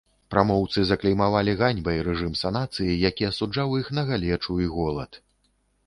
Прамоўцы заклеймавалі ганьбай рэжым санацыі, які асуджаў іх на галечу і голад.